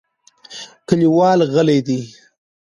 کلیوال غلي دي .